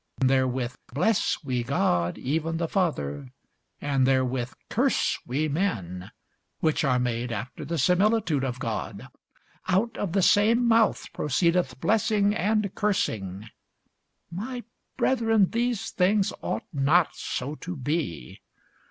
Therewith bless we God, even the Father; and therewith curse we men, which are made after the similitude of God. Out of the same mouth proceedeth blessing and cursing. My brethren, these things ought not so to be.